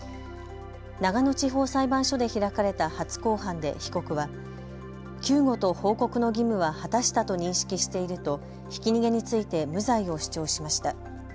長野地方裁判所で開かれた初公判で被告は救護と報告の義務は果たしたと認識しているとひき逃げについて無罪を主張しました。